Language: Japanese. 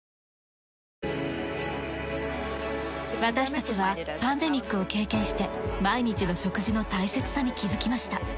私たちはパンデミックを経験して毎日の食事の大切さに気づきました。